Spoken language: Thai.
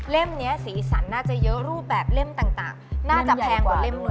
นี้สีสันน่าจะเยอะรูปแบบเล่มต่างน่าจะแพงกว่าเล่มเลย